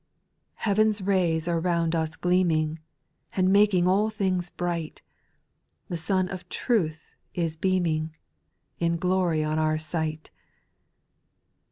Heaven's rays are round us gleaming, And making all things bright, The sun of Truth is l^eaming, In glory on our sight.